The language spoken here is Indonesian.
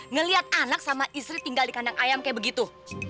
ngelihat anak sama istri tinggal di kandang ayam kayak begitu